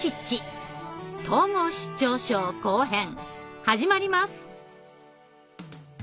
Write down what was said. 統合失調症後編始まります。